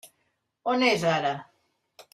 On és ara?